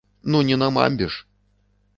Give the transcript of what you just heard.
Ну не на мамбе ж!